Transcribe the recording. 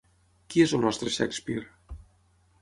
Qui és el nostre Shakespeare?